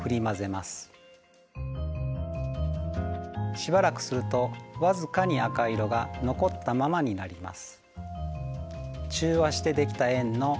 しばらくするとわずかに赤色が残ったままになります。